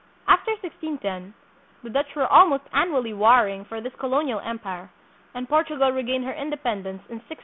After 1610, the Dutch were almost annually warring for this colonial empire, and Portugal regained her independence in 1640.